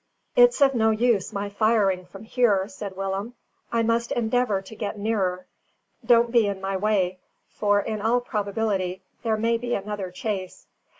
"It's of no use my firing from here," said Willem, "I must endeavour to get nearer. Don't be in my way, for in all probability, there may be another chase."